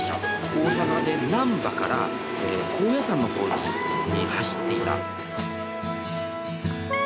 大阪で難波から高野山の方に走っていた。